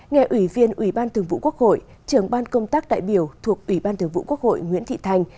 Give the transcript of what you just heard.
nghe ủy viên ủy ban thường vụ quốc hội trưởng ban công tác đại biểu thuộc ủy ban thường vụ quốc hội nguyễn thị thành